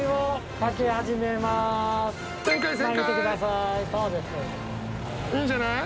いいんじゃない？